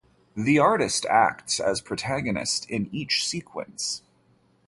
The artist acts as protagonist in each sequence.